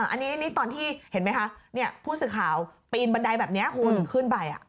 อันนี้ตอนที่เห็นไหมคะผู้สื่อข่าวปีนบันไดแบบนี้คุณขึ้นไป